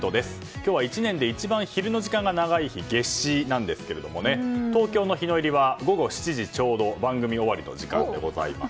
今日は１年で一番昼の時間が長い日夏至なんですけれど東京の日の入りは午後７時ちょうど番組終わりの時間でございます。